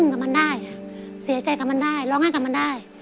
ก็เรารู้ว่าเราเป็นนั่นนะ